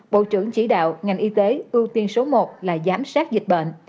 bộ trưởng chỉ đạo ngành y tế ưu tiên số một là giám sát dịch bệnh